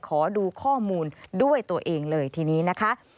ขอดูข้อมูลด้วยตัวเองเลยทีนี้นะคะ